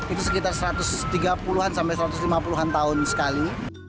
itu sekitar satu ratus tiga puluh satu ratus lima puluh tahun sekali